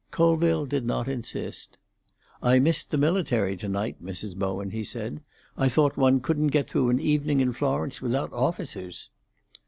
Colville did not insist. "I missed the military to night, Mrs. Bowen," he said. "I thought one couldn't get through an evening in Florence without officers?"